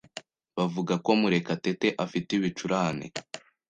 Bavuga ko Murekatete afite ibicurane.